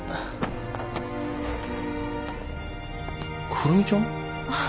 久留美ちゃん。